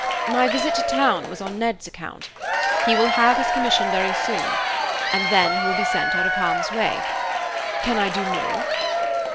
My visit to town was on Ned's account; he will have his commission very soon, and then he will be sent out of harm's way. Can I do more?"